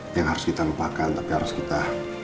itu yang harus kita lupakan tapi harus kita